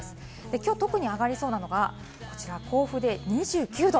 今日特に上がりそうなのはこちら甲府で２９度。